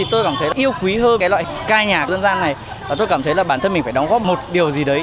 tôi cảm thấy yêu quý hơn cái loại ca nhạc dân gian này và tôi cảm thấy là bản thân mình phải đóng góp một điều gì đấy